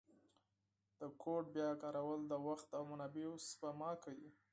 د کوډ بیا کارول د وخت او منابعو سپما کوي.